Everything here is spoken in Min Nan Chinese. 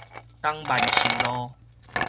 東萬壽路